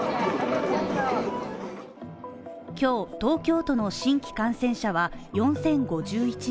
今日、東京都の新規感染者は４０５１人